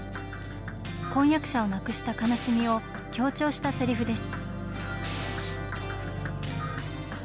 婚約者を亡くした悲しみを強調したせりふです。